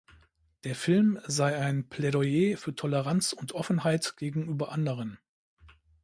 Der Film sei „ein Plädoyer für Toleranz und Offenheit gegenüber anderen“.